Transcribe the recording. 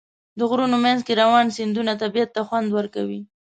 د غرونو منځ کې روانې سیندونه طبیعت ته خوند ورکوي.